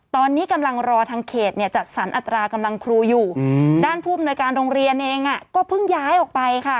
ตอนนี้กำลังรอทางเขตเนี่ยจัดสรรอัตรากำลังครูอยู่ด้านผู้อำนวยการโรงเรียนเองก็เพิ่งย้ายออกไปค่ะ